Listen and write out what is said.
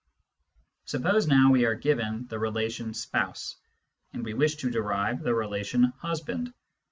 Suppose now we are given the relation spouse, and we wish to derive the relation husband.